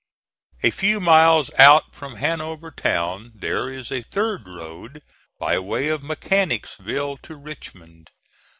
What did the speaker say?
A few miles out from Hanover Town there is a third road by way of Mechanicsville to Richmond.